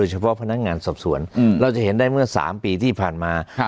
เฉพาะพนักงานสอบสวนเราจะเห็นได้เมื่อ๓ปีที่ผ่านมา